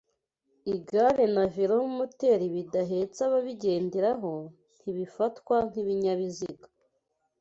Igare na velomoteri bidahetse ababigenderaho ntibifatwa nk'ibinyabiziga